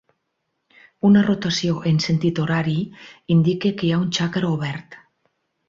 Una rotació en sentit horari indica que hi ha un txakra obert.